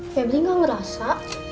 febri gak ngerasa